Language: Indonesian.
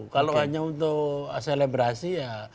kalau hanya untuk selebrasi ya